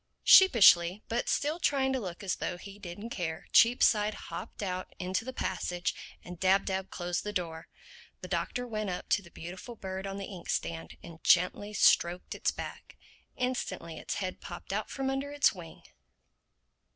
Sheepishly, but still trying to look as though he didn't care, Cheapside hopped out into the passage and Dab Dab closed the door. The Doctor went up to the beautiful bird on the ink stand and gently stroked its back. Instantly its head popped out from under its wing.